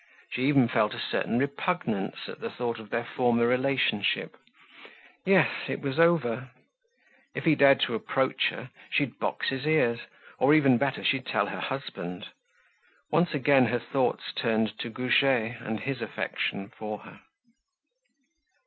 She even felt a certain repugnance at the thought of their former relationship. Yes, it was over. If he dared to approach her, she'd box his ears, or even better, she'd tell her husband. Once again her thoughts turned to Goujet and his affection for her.